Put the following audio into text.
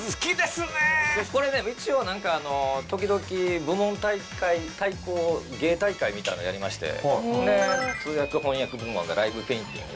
これ一応何か時々部門対抗芸大会みたいのやりましてで通訳・翻訳部門がライブペインティング作って。